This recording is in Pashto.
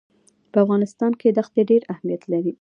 په افغانستان کې ښتې ډېر اهمیت لري.